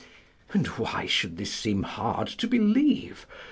And why should this seem hard to believe?